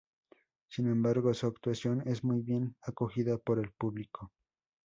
Sin embargo, su actuación es muy bien acogida por el público.